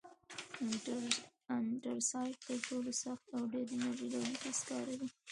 انترسایت تر ټولو سخت او ډېر انرژي لرونکی سکاره دي.